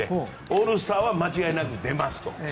オールスターは間違いなく出ますと。